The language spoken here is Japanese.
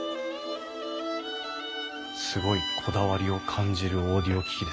すごいこだわりを感じるオーディオ機器ですね。